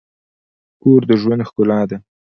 کور د ژوند ښکلا ده.